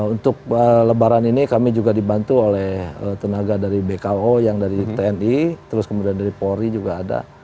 untuk lebaran ini kami juga dibantu oleh tenaga dari bko yang dari tni terus kemudian dari polri juga ada